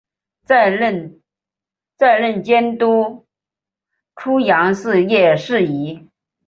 再任监督出洋肄业事宜。